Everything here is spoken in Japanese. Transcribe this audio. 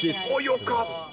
よかった。